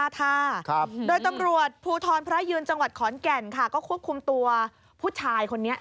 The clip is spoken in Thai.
คอนพระยืนจังหวัดขอนแก่นค่ะก็ควบคุมตัวผู้ชายคนนี้